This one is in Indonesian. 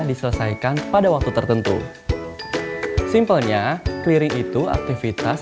diselesaikan pada waktu tertentu simpelnya keliring itu aktivitas